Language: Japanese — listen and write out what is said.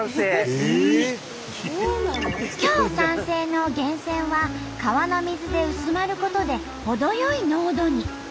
強酸性の源泉は川の水で薄まることで程よい濃度に。